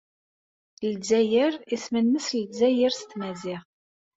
Ldzayer isem-nnes Ldzayer s tmaziɣt.